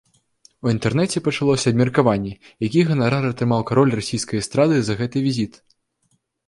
У інтэрнэце пачалося абмеркаванне, які ганарар атрымаў кароль расійскай эстрады за гэты візіт.